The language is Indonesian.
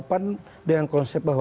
pan dengan konsep bahwa